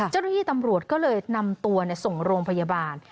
เจ้าหน้าที่ตำรวจก็เลยนำตัวส่งโรงพยาบาล